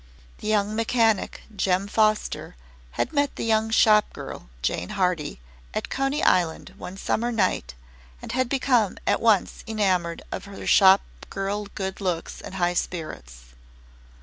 The young mechanic Jem Foster had met the young shop girl Jane Hardy, at Coney Island one summer night and had become at once enamoured of her shop girl good looks and high spirits.